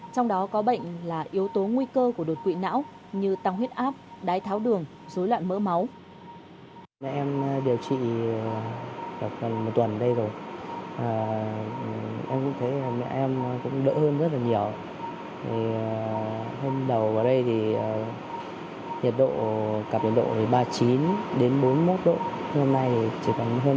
trong đó có bệnh là yếu tố nguy cơ của đột quỵ não như tăng huyết áp đái tháo đường dối loạn mỡ máu